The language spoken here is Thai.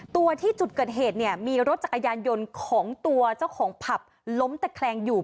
ตัวที่จุดเกิดเหตุเนี่ยมีรถจักรยานยนต์ของตัวเจ้าของผับล้มตะแคลงอยู่